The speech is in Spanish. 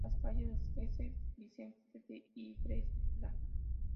Las calles de S. Vicente, de Igreja.